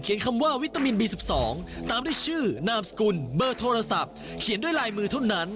คำว่าวิตามินบี๑๒ตามด้วยชื่อนามสกุลเบอร์โทรศัพท์เขียนด้วยลายมือเท่านั้น